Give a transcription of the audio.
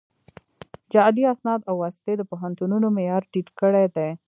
جعلي اسناد او واسطې د پوهنتونونو معیار ټیټ کړی دی